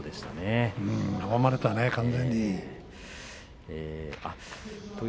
阻まれたね、完全に。